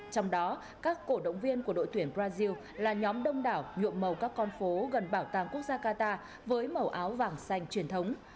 trong đó các cổ động viên của đội tuyển brazil là nhóm đông đảo nhuộm màu các con phố gần bảo tàng quốc gia qatar với màu áo vàng xanh truyền thống